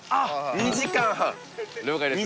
２時間半了解です